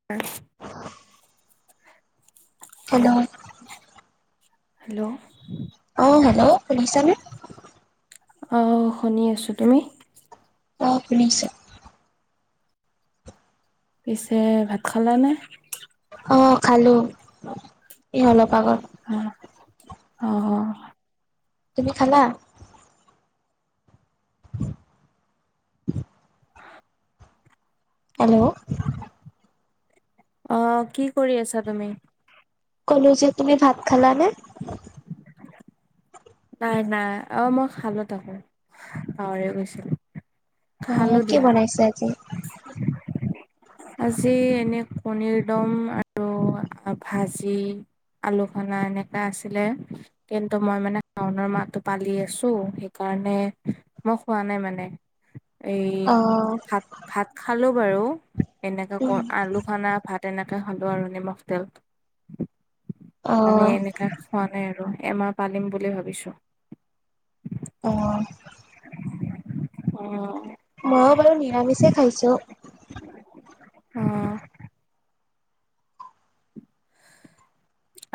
[unintelligible] Hello hello অ' hello শুনিছানে? অঁ শুনি আছো, তুমি? অঁ শুনিছো। পিছে ভাত খালা নে? অঁ খালো, এই অলপ আগত। অঁ, অঁ‌ অঁ। তুমি খালা? হেল্লৌ' অঁ কি কৰি আছা তুমি? ক'লো যে তুমি ভাত খালা নে? [inaudible] নাই নাই, অঁ মই খালোটোকে পাহৰিয়ে গৈছিলোঁ। অঁ কি বনাইছে আজি? আজি এনেই কণীৰ দম আৰু ভাজি। আলু সনা এনেকুৱা আছিলে। কিন্তু মই মানে শাওনৰ মাহটো পালি আছো, সেইকাৰণে মই খোৱা নাই মানে। এই অ ভাত-ভাত খালো বাৰু, এনেকা ক উম আলু- সনা ভাত এনেকে খালো আৰু নিমখ, তেল। অ মানে এনেকা খোৱা নাই আৰু এমাহ পালিম বুলি ভাবিছোঁ। অঁ'। অঁ'। মইয়ো বাৰু নিৰামিষে খাইছোঁ। অঁ'।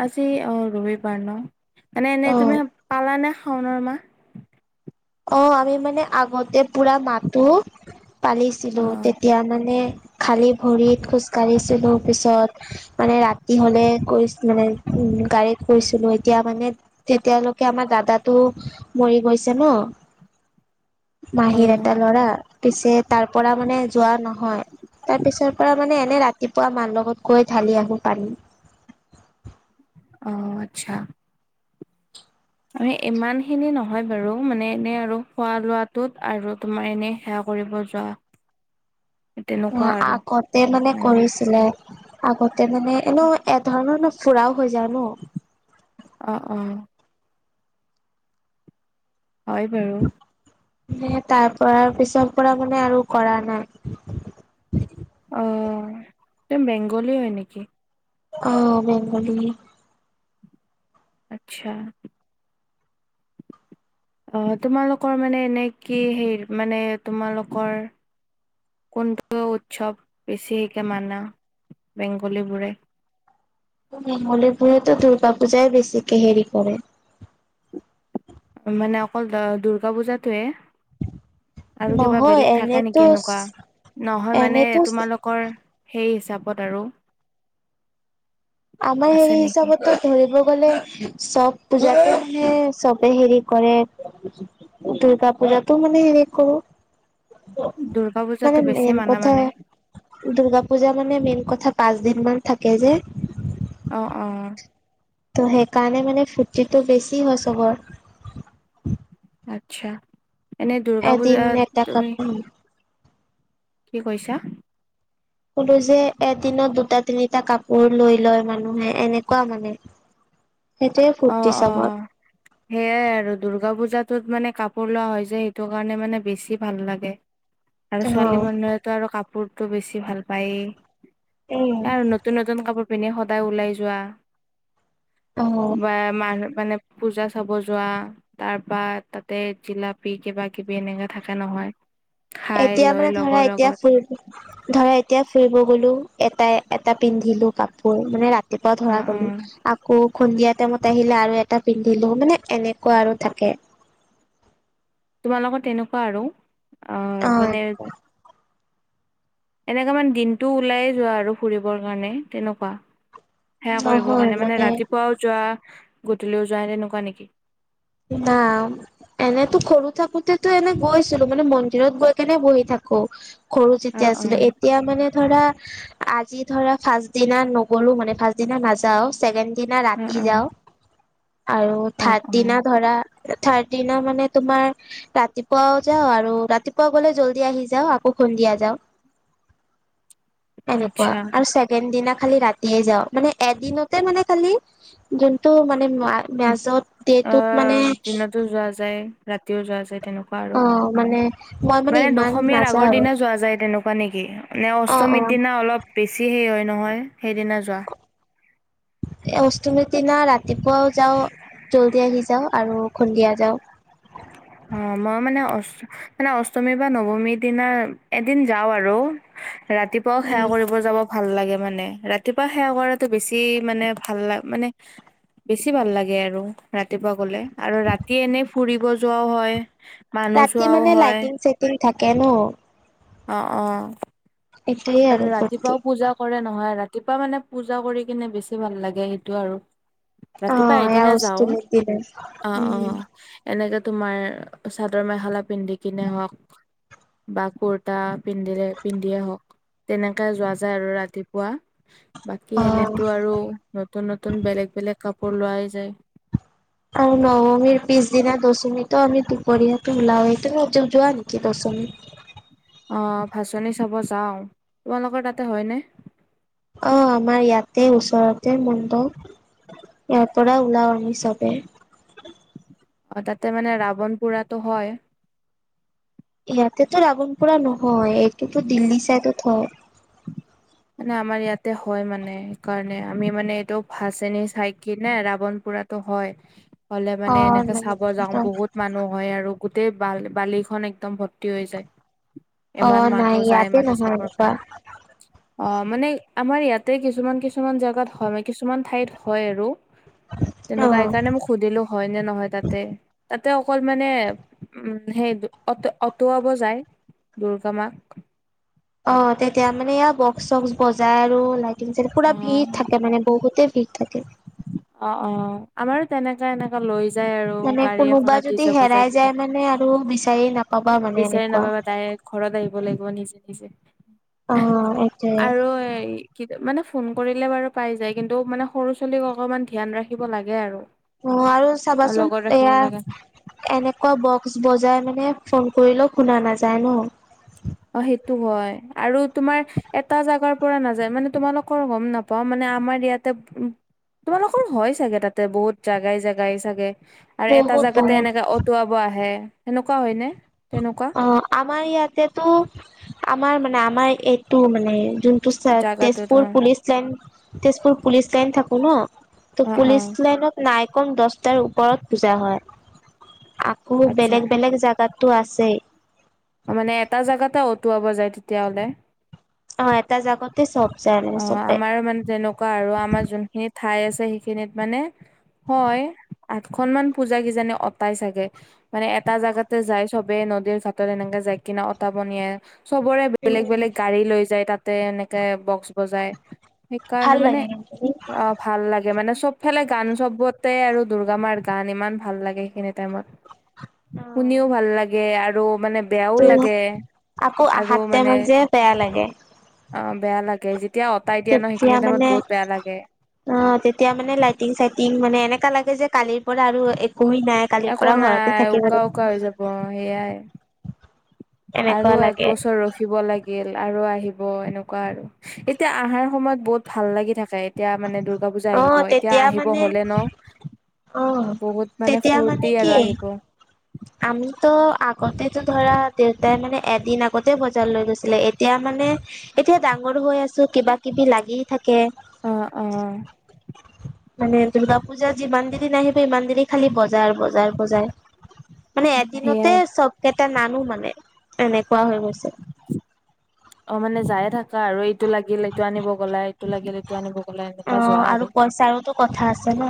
আজি অঁ ৰবিবাৰ ন, মানে অ এনেই তুমি পালানে শাওনৰ মাহ? অঁ আমি মানে আগতে পুৰা মাহতো অ পালিছিলো, তেত- তিয়া মানে খালী ভৰিত খোজ কাঢ়িছিলোঁ পিছত। মানে ৰাতি হ'লে গৈছ মানে উ গাড়ীত গৈছিলোঁ, এতিয়া মানে- তেতিয়ালৈকে আমাৰ দাদাটো মৰি গৈছে ন। অ মাহীৰ এটা ল'ৰা, পিছে তাৰ পৰা মানে যোৱা নহয়। তাৰ পিছৰ পৰা মানে এনেই ৰাতিপুৱা মাৰ লগত গৈ ঢালি আহো পানী। অ আচ্ছা। মানে ইমান খিনি নহয় বাৰু মানে এনে আৰু খোৱা লোৱাটোত আৰু তোমাৰ এনে সেৱা কৰিব যোৱা। তেনেকুৱা আৰু আগতে মানে কৰিছিলে আগতে মানে এনেও এ ধৰণৰ ন ফুৰাও হৈ যায় ন। অ অ হয় বাৰু। মানে তাৰ পৰা পিছৰ পৰা মানে আৰু কৰা নাই। অ' তুমি বেংগলী হয় নেকি? অ' বেংগলী। আচ্ছা। অ' তোমালোকৰ মানে এনে কি হে মানে তোমালোকৰ। কোনটো উৎসৱ বেছিকে মানা বেংগলীবোৰে? বেংগলী বোৰেতো দুৰ্গা পূজাই বেছিকে হেৰি কৰে। মানে অকল দ দুৰ্গা পূজাতোৱে। আৰু কিবা নহয় বেলেগ থাকে এনেতো নেকি এনেকুৱা নহয় মানে এনেতো তোমালোক কৰ সেই হিচাপত আৰু। আমাৰ আছে হেৰি নেকি হিচাপত ধৰিব গ'লে চব পূজাহে চবে হেৰি কৰে। দুৰ্গা পূজাটো মানে হেৰি কৰো। দুৰ্গা মানে পূজাতো বেছি মেন মানা কথা মানে দুৰ্গা পূজা মানে মেইন কথা পাঁচ দিন মান থাকে যে অ'অ'। ত' সেইকাৰণে মানে ফূৰ্তিটো বেছি হয় চবৰ। আচ্ছা এনে দুৰ্গা এদিন পূজাত এটা তুমি কাপোৰ কি কৈছা? কলো যে এদিনত দুটা তিনিটা কাপোৰ লৈ লয় মানুহে এনেকুৱা মানে [inaudible] সেইটোয়ে ফূৰ্তি চবৰ। সেয়াই আৰু দুৰ্গা পূজাতটোত মানে কাপোৰ লোৱা হয় যে সেইটো কাৰণে মানে বেছি ভাল লাগে। আৰু অ ছোৱালী মানুহেতো আৰু কাপোৰটো বেছি ভাল পায়েই। উম আৰু নতুন নতুন কাপোৰ পিন্ধি সদায় ওলাই যোৱা। অ বা মান মানে পূজা চাব যোৱা। তাৰপা তাতে জিলাপি কিবা কিবি এনেকাে থাকে নহয়। খাই এতিয়া লৈ মানে লগৰ ধৰা এতিয়া লগত ফুৰিব ধৰা এতিয়া ফুৰিব গলো এটাই এটা পিন্ধিলো কাপোৰ মানে ৰা ৰাতিপুৱা অ ধৰা অ গ'লো। বৰষুণ দিয়া টাইমত আহিলে আৰু এটা পিন্ধিলো মানে এনেকুৱা আৰু থাকে। তোমালোকৰ তেনেকুৱা আৰু অ মানে। এনেককা মানে দিনটো ওলাইে যোৱা আৰু ফুৰিবৰ কাৰণে তেনেকুৱা। সেৱা কৰিব কাৰণে মানে ৰাতিপুৱাও যোৱা গধূলিও যোৱা তেনেকুৱা নেকি। না। এনেতো সৰু থাকোতেতো এনে গৈছিলো মানে মন্দিৰত গৈ কেনে বহি থাকো। সৰু অ যেতিয়া অ আছিলো এতিয়া মানে ধৰা আজি ধৰা ফাৰ্ষ্ট দিনা নগলো মানে ফাৰ্ষ্ট দিনা নাযাওঁ, ছেকেণ্ড- দিনা অ ৰাতি অ যাওঁ, আৰু অ থাৰ্ড অ দিনা- ধৰা, থাৰ্ড দিনা মানে তোমাৰ- ৰাতিপুৱাও যাওঁ আৰু ৰাতিপুৱা গলে জল্দি আহি যাওঁ, আকৌ সন্ধিয়া যাওঁ। [inaudible] এনেকুৱা, আচ্ছা আৰু চে- কেন দিনা খালি ৰাতিয়ে যাওঁ, মানে এদিনতে মানে খালি যোনটো মানে মা- মাজত- ডেটোত মানে অঁ দিনতো যোৱা যায় ৰাতিও যোৱা যায় তেনক- কুৱা আৰু, অ মানে মই মানে ইমান দশমীয়াৰ আগৰ নাযাওঁ আৰু দিনা যোৱা যায় তেনেকুৱা নেকি? নে অ অ অষ্টমীৰ দিনা অলপ বেছি হেই হয় নহয়, সেইদিনা যোৱা? এ অষ্টমীৰ দিনা ৰাতিপুৱাও যাওঁ জল্দি আহি যাওঁ আৰু সন্ধিয়া যাওঁ। অঁ মই মানে অ- মানে অষ্টমী বা নৱমীৰ দিনা এদিন যাওঁ আৰু, ৰাতিপ- পুৱাও সেৱা উম কৰিব যাব। ভাল লাগে মানে, ৰাতিপুৱা সেৱা কৰাটো বেছি মানে ভাল লা মানে- বেছি ভাল লাগে আৰু ৰাতিপুৱা গলে, আৰু ৰাতি এনেই ফুৰিব যোৱাও হয়। মানুহ ৰাতি চোৱাও মানে হয় লাইটিং চাইটিং থাকে ন। অঁ অঁ এইটোয়ে আৰু আৰু ফূৰ্তি। ৰাতিপুৱাও পূজা- কৰে নহয়, ৰাতিপুৱা মানে পূজা কৰি কিনে বেছি ভাল লাগে সেইটো আৰু। অ ৰাতিপুৱা এদিনে এওজ যাওঁ, তুলি দিলে অঁ উম অঁ। এনেকে তোমাৰ চাদৰ মেখেলা পিন্ধি কিনে হওক, বা কোট- টা পিন্ধিলে পিন্ধিয়ে হওক, তেনেকে যোৱা যায় আৰু ৰাতিপুৱা। বাকী অ এনেইতো আৰু নতুন নতুন বেলেগ বেলেগ কাপোৰ লোৱাই যায়। আৰু নবমিৰ পিছদিনা দশমীতো আমি দুপৰীয়াটো ওলাওঁৱে, তুমি নোযোৱা নেকি দশমী? অঁ ভাঁচনি চাব যাওঁ, তোমালোকৰ তাতে হয়নে? অঁ আমাৰ ইয়াতে ওচৰতে মণ্ডপ ইয়াৰ পৰা ওলাও আমি চবে। অঁ তাতে মানে ৰাৱণ পোৰাটো হয়। ইয়াতেতো ৰাৱণপুৰা নহয়, এইটোতো দিল্লী চাইডত হয়। মানে আমাৰ ইয়াতে হয় মানে সেইকাৰণে, আমি মানে এইটো ভাচনী চাইকিনে ৰাৱন পুৰাতো হয়। হলে অ মানে এনেকে চাব যাওঁ বহুত- মানুহ হয় আৰু, গোটেই বাল বালিখন একদম ভৰ্তি হৈ যায়। অ ইমান নাই মানুহ যায় ইয়াতে মানে নহয় চাবৰ এনেকুৱা কাৰণে। অঁ মানে আমাৰ ইয়াতে কিছুমান কিছুমান জেগাত হয় মান কিছুমান ঠাইত হয় আৰু। অ তেনেকুৱা, সেইকাৰণে মোক সুধিলো হয় নে নহয় তাতে। তাতে অকল মানে উম সেই অট অটুৱাব যায়। দুৰ্গা মাক। অঁ তেতিয়া মানে এয়া বক্স চক্স বজাই আৰু লাগ- [unintelligible] অ পুৰা ভিৰ থাকে মানে বহুতেই ভিৰ থাকে। অঁ অঁ আমাৰো তেনে- কা এনেকা লৈ যায় আৰু মানে গাড়ী কোনোবা এখনত যদি ডিজে হেৰাই বযাই যায় কিনে। মানে আৰু বিচাৰি নাপাবা মানে বিচাৰি এনেকুৱা নাপাবা ডাইৰেক ঘৰত আহিব লাগিব নিজে নিজে। অ এইটোয়ে আৰু এই- কিতে মানে ফোন কৰিলে বাৰু পাই যায়, কিন্তু মানে সৰু ছোৱালীক অকমান ধ্যান ৰাখিব লাগে আৰু। অঁ' আৰু চাবাচোন লগত ৰাখিব এয়া- লাগে এনেকুৱা বক্স বজাই মানে ফোন কৰিলেওঁ শুনা নাযায় ন'। অ', সেইটো হয় আৰু তোমাৰ এটা জাগাৰ পৰা নাযায় মানে তোমালোকৰ গম নাপাও মানে আমাৰ ইয়াতে উ তোমালোকৰ হয় চাগে তাতে বহুত জাগাই জাগাই চাগে। আৰু এটা বহুত জেগাতে বহুত এনেকা অটুৱাব আহে সেনেকুৱা হয়নে তেনেকুৱা? অ', আমাৰ ইয়াতেতো আমাৰ মানে আমাৰ এইটো মানে যোন [unintelligible] জাগাটোত অ Tezpur police line, Tezpur police line থাকো ন'। অ ত' অ পুলিচ লাইনত নাই কম দছটাৰ ওপৰত পুজা হয়, আ বহুত আচ্ছা বেলেগ- বেলেগ জাগাতটো আছেই। অ' মানে এটা জেগাতে অটুৱাব যায় তেতিয়াহ'লে। অ' এটা জাগতে চব। যায় মানে অ', চবে আমাৰো মানে তেনেকুৱা আৰু আমাৰ যোনখিনি ঠাই আছে সেইখিনিত মানে হয়, আঠখনমান পূজা কিজানি অতাই চাগে। মানে এটা জাগাতে যায় চবে নদীৰ ঘাটত এনেকে যায় কিনে অতাব নিয়ে। চবৰে বেলেগ - উম বেলেগ গাড়ী লৈ যায় তাতে এনেকে বক্স বজাই ভাল সেইকাৰণে মানে লাগে কিন্তু আপ ভাল লাগে মানে চবফালে গান চবতে আৰু দুৰ্গা মাৰ গান ইমান ভাল লাগে সেইখিনিত টাইমত, শুনিওঁ ভাল লাগে আৰু মানে বেয়াও ত' লাগে আকৌ আৰু আহাত মানে টাইমত যে বেয়া লাগে অ' বেয়া লাগে যেতিয়া অঁতাই দিয়া ন' সেইখিনি তেতিয়া টাইমত মানে বহুত বেয়া লাগে। অ', তেতিয়া মানে লাইটিং -চাইটিং মানে এনেকা লাগে যে কালিৰ পৰা আৰু এক কোই নাই কালিৰ একো পৰা ঘৰতে নাই থাকিব উকা লাগিব। উকা হৈ যাব সেয়াই এনেকুৱা আৰু এক লাগে বছৰ ৰখিব লাগিল আৰু আহিব এনেকুৱা আৰু। এতিয়া আহাৰ সময়ত বহুত ভাল লাগি থাকে এতিয়া মানে দুৰ্গা পুজ জা অ আহিব এতিয়া তেতিয়া আহিব মানে হলে ন, অ বহুত মানে তেতিয়া ফুৰ্তি কি আৰু আহিব। আমিতো আগতেতো ধৰা দেউতাই মানে এদিন আগতে বজাৰ লৈ গৈছিলে এতিয়া মানে এতিয়া ডাঙৰ হৈ আছো, কিবা -কিবি লাগি থাকে। অ', অ'। মানে দুৰ্গা পূজা যিমান দিনে নাহিব ইমান দিনে খালি বজাৰ- বজাৰ - বজাৰ। [inaudible] মানে এদিনতে সেইয়াই চব কেইটা নানো মানে এনেকুৱা হৈ গৈছে। অ' মানে যায়ে থাকা আৰু এইটো লাগিল এইটো আনিব গলা এই টো লাগিল এইটো আনিব গলা অ এনেকুৱা যোৱা আৰু পইচাৰোতো কথা উম। আছে ন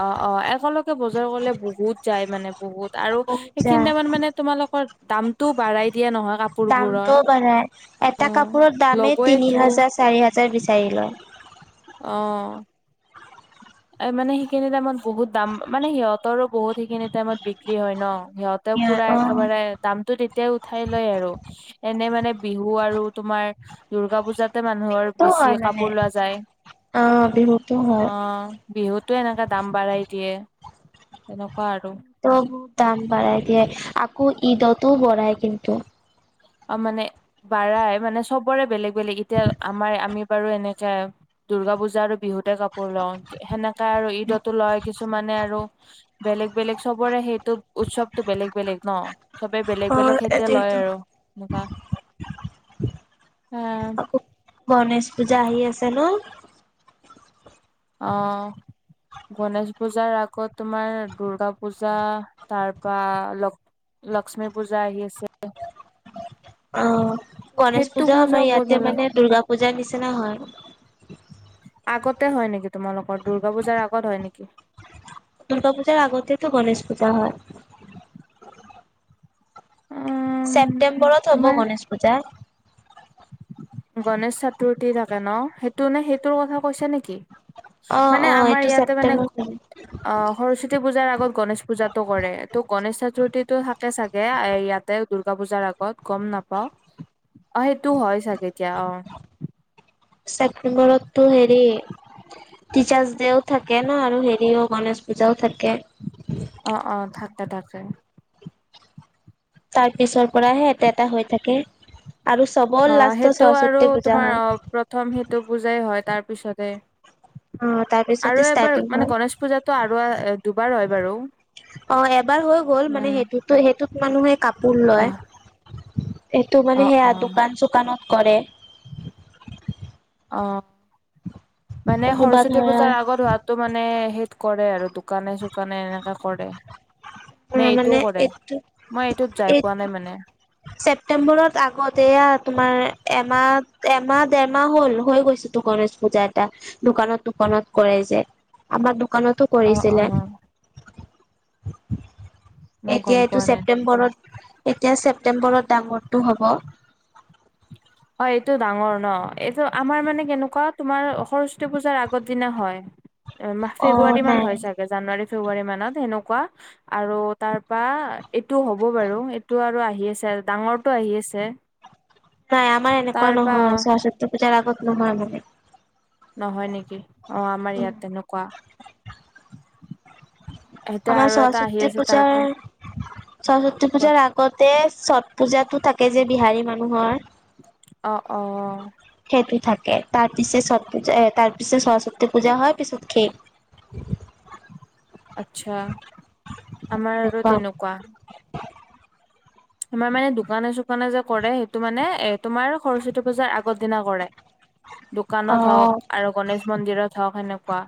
অ', অ', একেলগে বজাৰ কৰিলে বহুত যায় মানে। বহুত আৰু বহুত সেইখিনি যায় টাইমত মানে তোমালোকৰ দামটো বাঢ়াই দিয়ে নহয় কাপ দামটোও বাঢ়াই, এটা কাপোৰৰ দামে তিনি ল'বয়েতো হাজাৰ, চাৰি হাজাৰ বিচাৰি লয়। অ'। এ মানে সেইখিনি টাইমত বহুত দাম মানে সিহঁতৰো বহুত সেইখিনি টাইমত বিক্ৰী হয় ন। সিহঁতেও পুৰা অ একেবাৰে দামটো তেতিয়াই উঠাই লয় আৰু। এনে মানে বিহু আৰু তোমাৰ দুৰ্গা পূজাতে মানুহৰ বিহুতো বেছি কাপোৰ লোৱা যায়। অহ, বিহুতো অ হয়। বিহুতো এনেকা দাম বাঢ়াই দিয়ে এনেকুৱা আৰু। ত' বহুত দাম বাঢ়াই দিয়ে আকৌ ঈদতো বঢ়ায় কিন্তু। অ' মানে বাঢ়াই মানে চবৰে বেলেগ -বেলেগ এতিয়া আমাৰ আমি বাৰু এনেকা, দুৰ্গা পুজা আৰু বিহুতে কাপ পোৰ, লওঁ সেনেকা আৰু ঈদতো লয় কিছুমানে আৰু বেলেগ, বেলেগ চবৰে সেইটো উৎসৱটো বেলেগ, বেলেগ ন, চবে অ বেলেগ বেলেগ সেইতে লয় এইটোৱেইটো আৰু। সেনেকোৱা, আহ গণেশ পূজা আহি আছে ন,? অ, গনেশ পূজাৰ আগত, তোমাৰ দূৰ্গা পূজা, তাৰপা ল লক্ষ্মী পূজা আহি আছে। অ, গনেশ সেইটো পূজা আমাৰ বহুত ইয়াতে ভাল মানে লাগে দুূৰ্গা পূজাৰ নিচিনা হয়। আগতে হয় নেকি, তোমালোকৰ দূৰ্গা পূজাৰ আগত হয় নেকি? দুূৰ্গা পূজাৰ আগতেটো গণেশ পূজা হয়। [inaudible] উম ছেপ্টেম্বৰত হ'ব, আমাৰ গণেশ পূজা। গণেশ চতুৰ্থী থাকে ন, সেইটো নে, সেইটোৰ কথা কৈছা নেকি? অ', মানে অ', আমাৰ এইটো ইয়াতে মানে ছেপ্টেম্বৰত হ'ব। অ, সৰস্বতী পূজাৰ আগত গনেশ পূজাতটো কৰে। ত, গণেশ চতুৰ্থীটো থাকে চাগে। থাকে, ইয়াতে দুূৰ্গা পূজাৰ আগত গম নাপাওঁ অ, সেইটো হয় চাগে। এতিয়া অ, ছেপটেম্বৰতটো হেৰি, টিচাৰ্চ দেও থাকে ন, আৰু হেৰিও গণেশ পূজাও থাকে। অ, অ, থাকে থাকে। তাৰ পিছৰ পৰাহে এটা, এটা, হৈ থাকে আৰু অ চবৰ ৰাষ্টত সেইটো আৰু সৰস্বতী পূজা তোমাৰ অ হয়। প্ৰথম সিটো পূজাই হয়, তাৰ পিছতে অ', তাৰ পিছতে আৰু এবাৰ ষ্টাৰ্টিং মানে হয়। গণেশ পূজাত ত, আৰু দুবাৰ হয় বাৰু। অ, এবাৰ হৈ গ'ল, মানে উম সেইটোত সেইটোত মানুহে কাপ পোৰ অ লয়, এইটো অ মানে সেয়া অ দোকান-চোকানত কৰে। অ, মানে কোনোবা সৰস্বতী ধৰা পূজাৰ আগত হোৱাত টো, মানে সেইত কৰে আৰু দোকানে-চোকানে এনেকে কৰে। নে, অ', মানে এইটোও কৰে, এইটো মই এইটোত যাই এই পোৱা নাই মানে। ছেপ্তেম্বৰত আগতে তোমাৰ এমাহ, এমাহ দেৰমাহ হ'ল হৈ গৈছিল। গণেশ পূজা এটা, দোকানত, দোকানত কৰাই যায়, আমাৰ দোকানতো অ, অ, কৰিছিলে মই এতিয়া গম এইটো পোৱা নাই। ছেপ্তেম্বৰত, এতিয়া ছেপ্তেম্বৰত ডাঙৰটো হ'ব। হয় এইটো ডাঙৰ ন, এইটো আমাৰ মানে কেনেকুৱা, তোমাৰ সৰস্বতী পূজাৰ আগৰ দিনা হয়। অ ফেব্ৰুৱাৰী মান নাই হয় চাগে, জানুৱাৰী ফেব্ৰুৱাৰী মানত সেনেকুৱা। আৰু তাৰ পৰা এইটো হ'ব বাৰু এইটো আৰু আহি আছে, ডাঙৰটো আহি আছে। নাই আমাৰ এনেকুৱা তাৰ পৰা নহয়, সৰস্বতী পূজাৰ আগত নহয় মানে। নহয় নেকি অহ, আমাৰ ইয়াত তেনেকুৱা। এতিয়া আমাৰ, আৰু এটা আহি সৰস্বতী আছে তাৰ পূজাৰ পৰা সৰস্বতী কোৱা। পূজাৰ আগতে, ছট পূজাতটো থাকে যে, বিহাৰী মানুহৰ। অ, অ, সেটো থাকে, তাৰ পিছত ছত পজা, তাৰ পিছত সৰস্বতী পূজা হয়, পিছত শেষ। আচ্ছা, আমাৰ আৰু এনেকুৱা তেনেকুৱা। তোমাৰ মানে দোকানে-চোকানে যে কৰে, সেইটো মানে এই তোমাৰ সৰস্বতী পূজাৰ আগৰ দিনা কৰে। দোকানত অ', হ'ওক আৰু গণেশ মন্দিৰত হ'ওক হেনেকুৱা।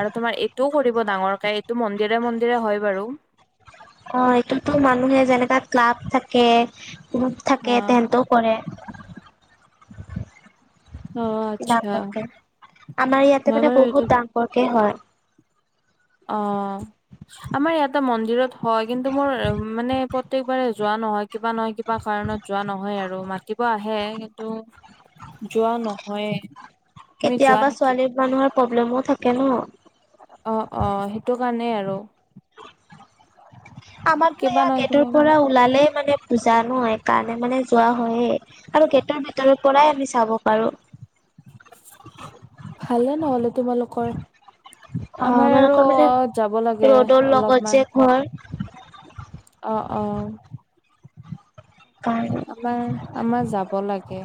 আৰু তোমাৰ এইটো কৰিব ডাঙৰকে এইটো মন্দিৰে মন্দিৰে হয় বাৰু। অঁ এইটোতো মানুহে যেনেকা ক্লাব থাকে গ্ৰুপ থাকে অ', তেহেঁত- কৰে। অ', আচ্ছা ডাঙৰকে, আমাৰ ইয়াতে মই মানে বাৰু এইটোত বহুত ডাঙৰকে হয়। অঁ আমাৰ ইয়াতে মন্দিৰত হয়, কিন্তু মোৰ মানে পত- প্ৰত্যেকবাৰে যোৱা নহয় কিবা নহয় কিবা কাৰণত যোৱা নহয় আৰু, মাতিব আহে- ত যোৱা নহয়ে। কেতিয়াবা ছোৱালী মানুহৰ প্ৰব্লেমো থাকে ন। অঁ অঁ সেইটো কাৰণেই আৰু। আমাৰটো কিবা এয়া নহয় কিবা গেটৰ ওলাই পৰা ওলালেই মানে- জানো সেইকাৰণে মানে যোৱা হয়য়ে, আৰু গেটৰ ভিতৰ পৰাই আমি চাব পাৰো। ভালে নহলে তোমালোকৰ। অ', আমাৰ আৰু আমালোকৰ মানে অ যাব লাগে ৰ'দৰ লগত যে অলপমান। ঘৰ অঁ অঁ। কাৰণ- আমাৰ আমাৰ যাব লাগে,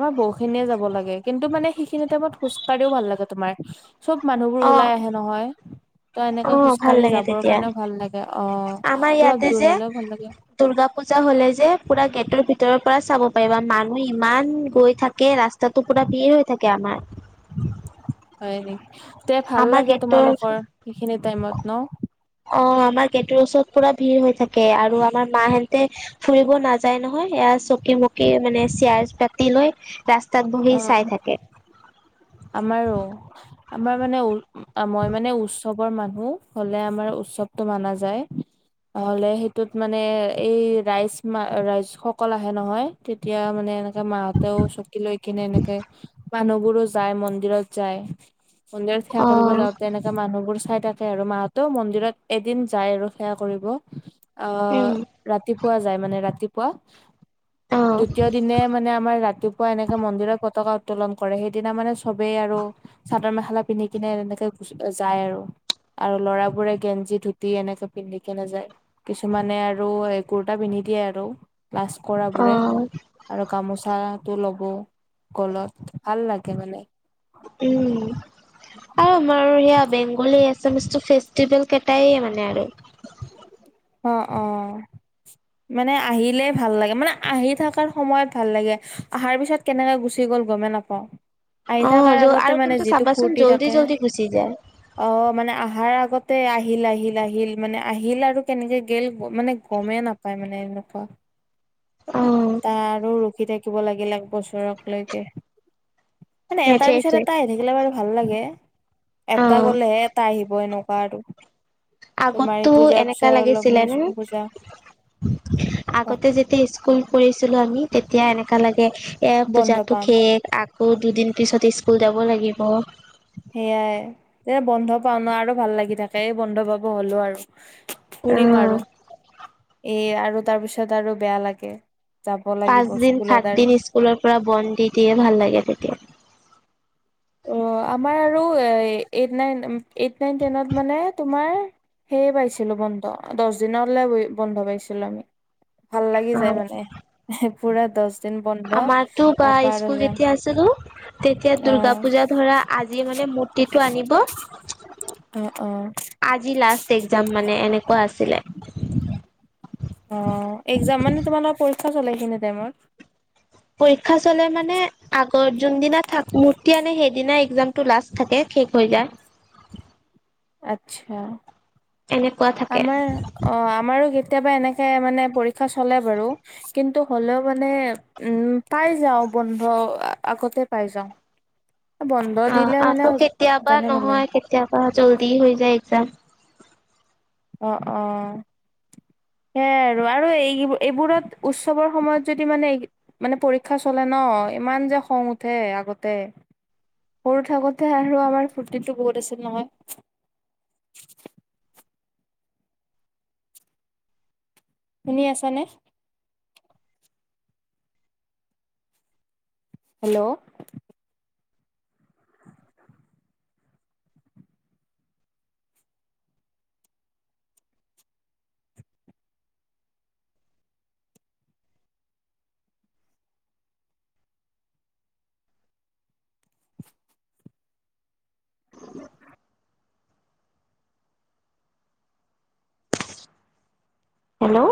আমাৰ বহু- এনেই যাব লাগে কিন্তু মানে সেইখিনি টাইমত খোজ কাঢ়িও ভাল লাগে তোমাৰ। চব মানুহবোৰ অ', ওলাই আহে নহয়। ত এনেকে অ', ভাল খোজকাঢ়ি লাগে যাবৰ তেতিয়া কাৰণে ভাল লাগে অঁ, আমাৰ অলপ ইয়াতে দূৰ যে হলেও ভাল লাগে। দুৰ্গা পুজা হলে যে পুৰা গেটৰ ভিতৰৰ পৰা চাব পাৰিবা মানুহ ইমান গৈ থাকে ৰাস- তাতো পুৰা ভিৰ হৈ থাকে আমাৰ। হয় নেকি? তে ভাল আমাৰ লাগে গেটৰ তোমালোকৰ সেইখিনি টাইমত ন। অঁ আমাৰ গেটৰ ওচৰত পুৰা ভিৰ হৈ থাকে, আৰু আমাৰ মাহেঁতে- ফুৰিব নাযায় নহয়, এয়া চকী মকি মানে চিয়াছ পাতি লৈ- ৰাস্তাত বহি অ চাই থাকে। আমাৰো, আমাৰ মানে উ- মই মানে উৎসৱৰ মানুহ হলে আমাৰ উৎসৱটো মানা যায়। নহলে সেইটোত মানে এই ৰাইজ মা ৰাইজ সকল আহে নহয়, তেতিয়া মানে- এ মাহঁতেও চকী লৈ কিনে এনেকে মানুহবোৰো যায় মন্দিৰত যায়। মন্দিৰত সেৱা অ কৰিব যাওঁতে এনেকে মানুহবোৰ চাই থাক- সেয়া আৰু মাহতো মন্দিৰত এদিন যায় আৰু সেৱা কৰিব, উম আঁহ- ৰাতিপুৱা যায় মানে ৰাতিপুৱা। অ দ্বিতীয় দিনে মানে আমাৰ ৰাতিপুৱা এনেকে মন্দিৰত পতাকা উত্তোলন কৰে সেই- সিদিনা মানে চবেই আৰু চাদৰ মেখেলা পিন্ধি কিনে এনেকে যায় আৰু। আৰু লৰাবোৰে গেঞ্জি ধুতি এনেকে পিন্ধিকেনে যায়। কিছুমানে আৰু এ কুুৰ্তা পিন্ধি দিয়ে আৰু। লাচ কৰা অ বোৰে, আৰু গামোচাটো লব গলত ভাল লাগ- গে মানে। উম'। আৰু আমাৰ সেয়া বেংগলী এছামিছটো ফেষ্টিভেল কেটাই মানে আৰু। অঁ অঁ। মানে আহিলে ভাল লাগে মানে আহি থকাৰ সময়ত ভাল লাগে, আহাৰ পিছত- কেনেকে গুচি গ'ল গমে নাপাওঁ। আহি অ থাকাৰ আগতে আৰু মানে কিন্তু যিটো চাবাচোন ফুৰ্তি জল্দি থাকে- জল্দি গুচি যায় অঁ মানে অহাৰ আগতে আহিল আহিল আহিল মানে আহিল আৰু। কেনেকে গে'ল মানে গমেই নাপায়, মানে এনেকুৱা। অ টা আৰু ৰখি থাকিব লাগিল এক বছৰক লৈকে মানে এটাৰ পিছত সেইটোৱে এটা থিকিলে বাৰু ভাল লাগে, এটা অ গলেহ এটা আহিব এনেকুৱা আৰু। তোমাৰ আগতো এইটো যোৱাৰ এনেকা পিছত লাগিছিলে ন [unintelligible] পূজা আগতে যেতিয়া স্কুল পঢ়ছিলোঁ আমি, তেতিয়া এনেকা লাগে। এ, বন্ধ পূজাতো পাম শেষ আকৌ দুদিন পিছত স্কুল যাব লাগিব। সেয়াই এ, বন্ধ পাওঁ ন, আৰু ভাল লাগি থাকে এই বন্ধ পাব হলোঁ আৰু। ফুৰিম আৰু এ, আৰু তাৰপিছত আৰু বেয়া লাগে। যাব পাঁচ লাগিব দিন সাত স্কুলত দিন আৰু। স্কুলৰ পৰা বন দি দিয়ে ভাল লাগে তেতিয়া। অ' আমাৰ আৰু এইট নাইন, এইট নাইন, টেনত মানে তোমাৰ সেয়ে পাইছিলোঁ বন্ধ দছ দিনলে বন্ধ পাইছিলোঁ আমি। ভাল লাগি অ যায় মানে পুৰা দছ আমাৰতো বা স্কুল যেতিয়া আছিলোঁ তেতিয়া দূৰ্গা অ', পুজাত ধৰা, আজি মানে মূৰ্তিটো আনিব অ'অ' আজি লাষ্ট এক্সাম মানে, এনেকুৱা আছিলে। অ'এক্সাম মানে তোমালোকৰ পৰীক্ষা চলে এইখিনি টাইমত? পৰীক্ষা চলে মানে, আগত যোনদিনা [unintelligible] মূৰ্তি আনে সেইদিনাই এক্সাম টো লাষ্ট থাকে শেষ হৈ যায়। আচ্ছা। এনেকুৱা থাকে আমাৰ অ' আমাৰো কেতিয়াবা এনেকে মানে পৰীক্ষা চলে বাৰু। কিন্তু হ'লেওঁ মানে উম, পাই যাওঁ বন্ধ আগতে পাই যাওঁ। অ'বন্ধ দিলে মানে, জানে ভালেই। এতিয়াৰ পৰা জল্দি হৈ যায় এক্সাম। অ'অ' সেতাইৰ আৰু, আৰু এই-এইবোৰত উৎচৱৰ সময়ত যদি মানে মানে পৰীক্ষা চলে ন, ইমান যে খং উঠে আগতে। সৰু থাকোঁতে আৰু আমাৰ ফূৰ্তিটো বহুত আছিল নহয়। শুনি আছা নে? Hello hello